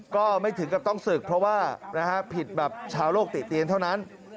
ก็ไม่ถึงกับต้องศึกเพราะว่าผิดแบบชาวโลกติเตียนเท่านั้น